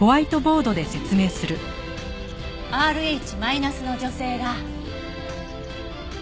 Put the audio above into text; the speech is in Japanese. Ｒｈマイナスの女性が。